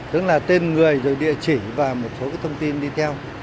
tức là tên người rồi địa chỉ và một số thông tin đi theo